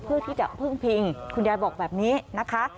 เพื่อที่จะพึ่งพิงคุณยายบอกแบบนี้นะคะ